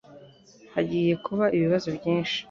Hagiye kuba ibibazo byinshi.